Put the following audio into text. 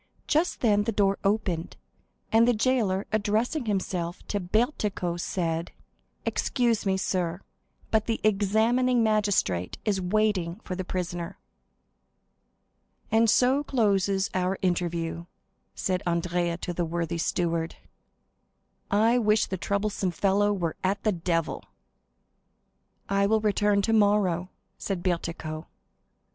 Just then the door opened, and the jailer, addressing himself to Bertuccio, said: "Excuse me, sir, but the examining magistrate is waiting for the prisoner." "And so closes our interview," said Andrea to the worthy steward; "I wish the troublesome fellow were at the devil!" "I will return tomorrow," said Bertuccio.